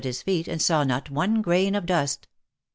his feet, and saw not one grain of dust.